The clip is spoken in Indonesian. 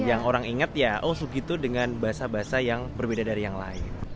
yang orang ingat ya oh segitu dengan bahasa bahasa yang berbeda dari yang lain